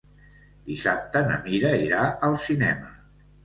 Dissabte na Mira irà al cinema.